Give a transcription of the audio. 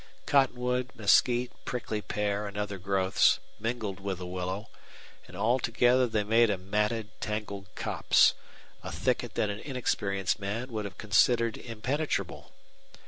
Cottonwood, mesquite, prickly pear, and other growths mingled with the willow, and altogether they made a matted, tangled copse, a thicket that an inexperienced man would have considered impenetrable.